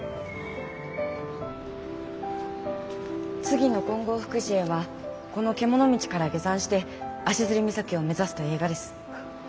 次の金剛福寺へはこの獣道から下山して足岬を目指すとえいがです。